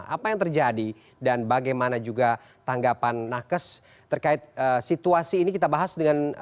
apa yang terjadi dan bagaimana juga tanggapan nakes terkait situasi ini kita bahas dengan